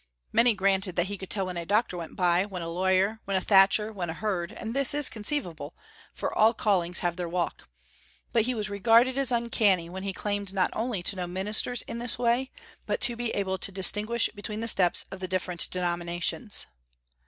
Many granted that he could tell when a doctor went by, when a lawyer, when a thatcher, when a herd, and this is conceivable, for all callings have their walk. But he was regarded as uncanny when he claimed not only to know ministers in this way, but to be able to distinguish between the steps of the different denominations.